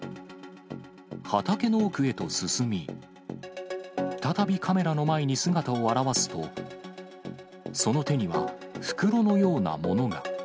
畑の奥へと進み、再びカメラの前に姿を現すと、その手には、袋のようなものが。